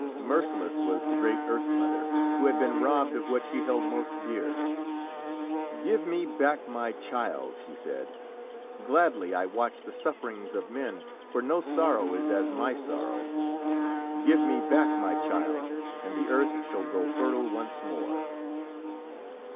Merciless was the great Earth Mother, who had been robbed of what she held most dear. "Give me back my child!" she said. "Gladly I watch the sufferings of men, for no sorrow is as my sorrow. Give me back my child, and the earth shall grow fertile once more."